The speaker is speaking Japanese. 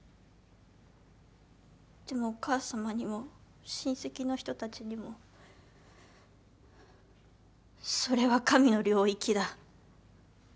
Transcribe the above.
でもお母さまにも親戚の人たちにも「それは神の領域だ」